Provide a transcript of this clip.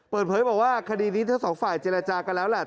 เปิดเผยบอกว่าคดีนี้ทั้งสองฝ่ายเจรจากันแล้วแหละ